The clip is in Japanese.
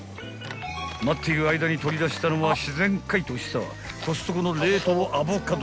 ［待っている間に取り出したのは自然解凍したコストコの冷凍アボカド］